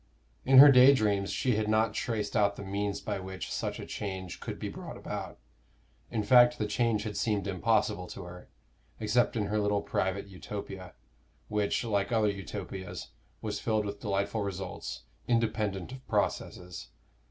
In her day dreams she had not traced out the means by which such a change could be brought about; in fact, the change had seemed impossible to her, except in her little private Utopia, which, like other Utopias, was filled with delightful results, independent of processes.